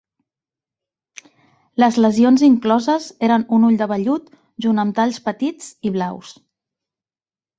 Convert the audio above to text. Les lesions incloses eren un ull de vellut junt amb talls petits i blaus.